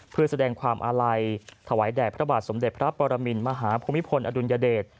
เพื่อแสดงความอาลัยถวายแด่พระบาทสมเด็จพระปรมินมหาภูมิพลอดุลยเดช